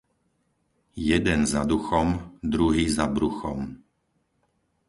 Jeden za duchom, druhý za bruchom.